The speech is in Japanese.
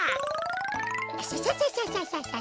サササササ。